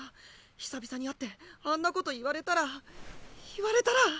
久々に会ってあんなこと言われたら言われたら！